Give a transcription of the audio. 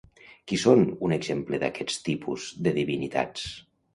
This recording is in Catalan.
Qui són un exemple d'aquest tipus de divinitats?